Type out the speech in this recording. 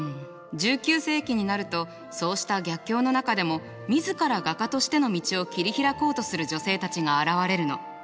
１９世紀になるとそうした逆境の中でも自ら画家としての道を切り開こうとする女性たちが現れるの。